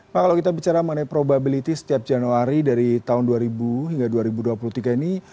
pak kalau kita bicara mengenai probability setiap januari dari tahun dua ribu hingga dua ribu dua puluh tiga ini